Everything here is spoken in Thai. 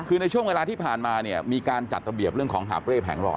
คือในช่วงเวลาที่ผ่านมาเนี่ยมีการจัดระเบียบเรื่องของหาบเร่แผงหล่อ